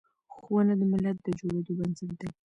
ښوونه د ملت د جوړیدو بنسټ دی.